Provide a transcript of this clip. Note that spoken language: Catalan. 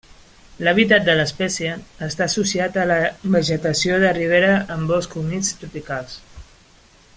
L'hàbitat de l'espècie està associat a la vegetació de ribera en boscs humits tropicals.